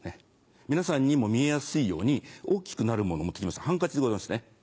皆さんにも見えやすいように大きくなるもの持って来ましたハンカチでございますね。